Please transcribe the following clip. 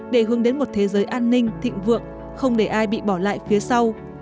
để hướng đến một thế giới an ninh thịnh vượng không để ai bị bỏ lại phía sau